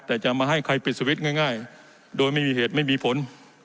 แต่จะมาให้ใครปิดสวิตช์ง่ายโดยไม่มีเหตุไม่มีผล